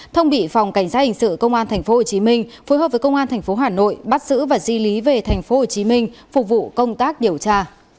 thông bỉ phòng cảnh sát hình sự công an tp hcm phối hợp với công an tp hcm bắt xử và di lý về tp hcm phục vụ công tác điều tra